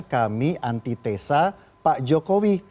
kami anti tesa pak jokowi